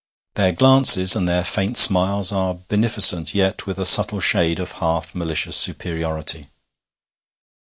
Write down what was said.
Their glances and their faint smiles are beneficent, yet with a subtle shade of half malicious superiority.